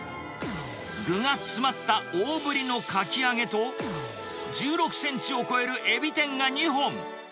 具が詰まった大ぶりのかき揚げと、１６センチを超えるエビ天が２本。